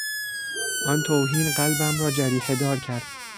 آن توهین قلبم را جریحهدار کرد.